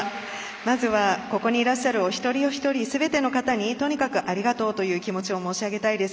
まずは、ここにいらっしゃるお一人お一人すべての方にとにかくありがとうという気持ちを申し上げたいです。